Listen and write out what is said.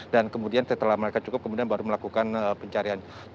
dan kemudian setelah mereka cukup kemudian baru melakukan pencarian